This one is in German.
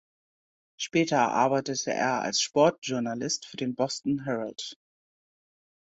Später arbeitete er als Sportjournalist für den Boston Herald.